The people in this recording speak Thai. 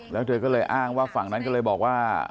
แล้วเธอก็เลยอ้างว่าฝั่งนั้นก็เลยบอกว่า